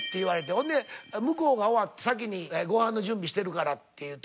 ほんで向こうが終わって先にご飯の準備してるからって言うて家に帰って。